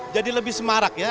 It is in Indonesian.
jadi lebih semarak ya